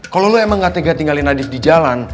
kalo lo emang gak tega tinggalin nadif di jalan